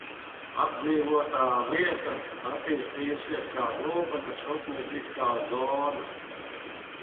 Apdzīvotā vieta attīstījusies kā Gulbenes rūpnieciskā zona.